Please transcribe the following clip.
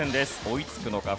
追いつくのか？